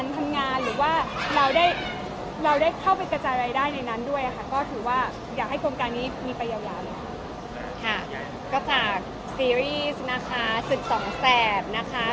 ก็ฝากซีรีส์นะคะ๑๒แสบนะคะ